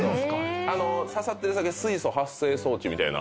挿さってる先は水素発生装置みたいな？